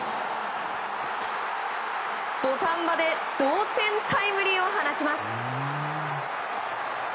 土壇場で同点タイムリーを放ちます。